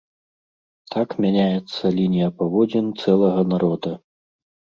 Так мяняецца лінія паводзін цэлага народа.